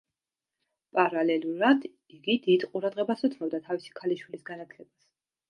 პარალელურად, იგი დიდ ყურადღებას უთმობდა თავისი ქალიშვილის განათლებას.